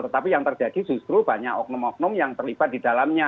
tetapi yang terjadi justru banyak oknum oknum yang terlibat di dalamnya